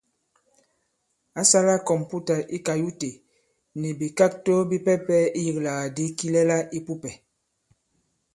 Ǎ sālā kɔ̀mputà i kayute nì bìkakto bipɛpɛ iyīklàgàdi kilɛla ī pupɛ̀.